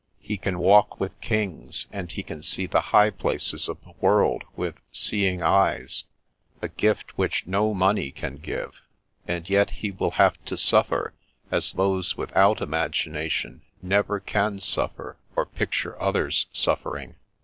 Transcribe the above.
He can walk with kings, and he can see Uie high places of the world with seeing eyes, a gift which no money can give; and yet he will have to suffer as those without imagination never can suffer or picture others suffering.